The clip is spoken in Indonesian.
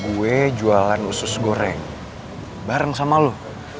gue jualan usus goreng bareng sama lo